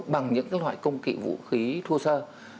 bằng những cái loại công kỵ vũ khí thua sơ